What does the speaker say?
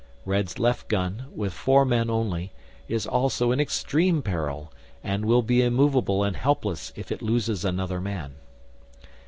Red's left gun, with four men only, is also in extreme peril, and will be immovable and helpless if it loses another man.